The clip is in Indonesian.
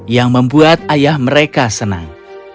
yang membuat ayah mereka senang